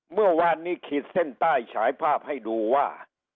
เมื่อวานนี้ขีดเส้นใต้ฉายภาพให้ดูว่า